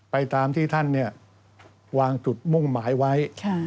ตามที่ท่านวางจุดมุ่งหมายไว้